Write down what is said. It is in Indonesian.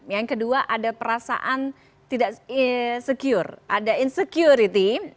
yang kedua ada perasaan tidak secure ada insecurity